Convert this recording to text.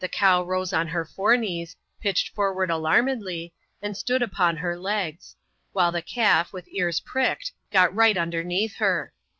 The cow rose on her fore knees, pitched forward alarmedly, and stood upon her legs; while the calf, with ears pricked, got right underneath her.